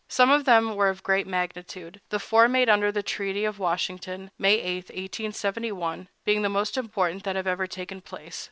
Some of them were of great magnitude, the four made under the treaty of Washington (May 8, 1871) being the most important that have ever taken place.